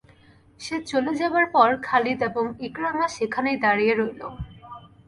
সে চলে যাবার পর খালিদ এবং ইকরামা সেখানেই দাঁড়িয়ে রইল।